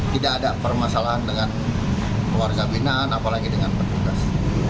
tidak ada permasalahan dengan warga binaan apalagi dengan petugas